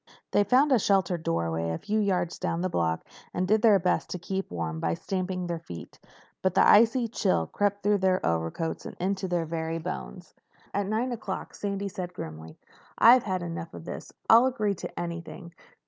They found a sheltered doorway a few yards down the block and did their best to keep warm by stamping their feet. But the icy chill crept through their overcoats and into their very bones. At nine o'clock Sandy said grimly, "I've had enough of this. I'll agree to anything.